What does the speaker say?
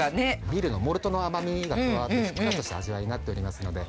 ビールのモルトの甘みが加わってふっくらとした味わいになっておりますので。